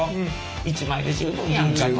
１枚で十分やんかと。